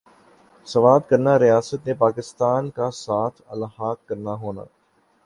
سوات کرنا ریاست نے پاکستان کا ساتھ الحاق کرنا ہونا